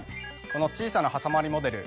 この小さなはさまりモデル